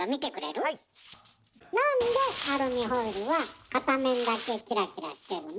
なんでアルミホイルは片面だけキラキラしてるの？